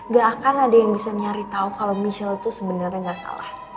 gak akan ada yang bisa nyari tau kalo michelle itu sebenernya gak salah